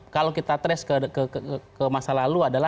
kalau kita trace ke masa lalu adalah